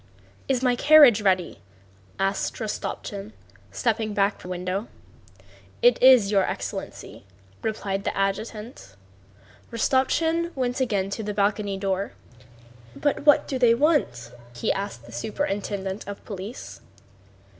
"Is my carriage ready?" asked Rostopchín, stepping back from the window. "It is, your excellency," replied the adjutant. Rostopchín went again to the balcony door. "But what do they want?" he asked the superintendent of police.